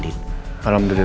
gak aman kenapa sih